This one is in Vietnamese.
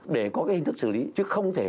để có cái hình thức xử lý chứ không thể